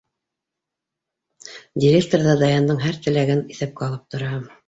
Директор ҙа Даяндың һәр теләген иҫәпкә алып тора.